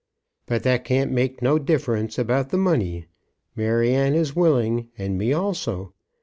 "But that can't make no difference about the money. Maryanne is willing, and me also.